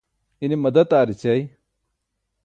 ine madad aar ećai